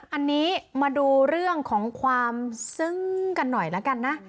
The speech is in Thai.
อันนี้มาดูเรื่องของความซึ้งกันหน่อยละกันนะ